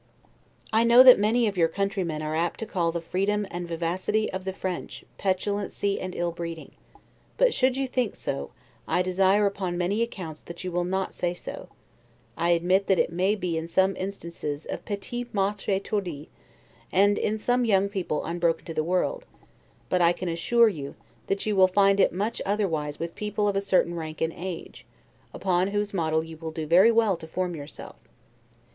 I know that many of your countrymen are apt to call the freedom and vivacity of the French petulancy and illbreeding; but, should you think so, I desire upon many accounts that you will not say so; I admit that it may be so in some instances of 'petits maitres Etourdis', and in some young people unbroken to the world; but I can assure you, that you will find it much otherwise with people of a certain rank and age, upon whose model you will do very well to form yourself.